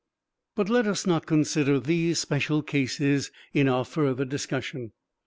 But let us not consider these special cases in our further discussion.